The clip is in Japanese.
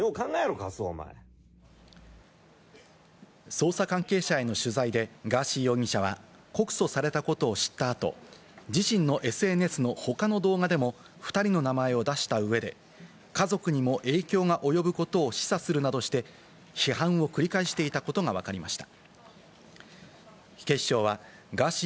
捜査関係者への取材で、ガーシー容疑者は告訴されたことを知った後、自身のＳＮＳの他の動画でも２人の名前を出した上で、家族にも影響が及ぶことを示唆するなどして批判を繰り返していたことがわかりました。